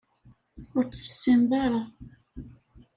Ur tt-tessineḍ ara